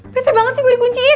beter banget sih gue dikunciin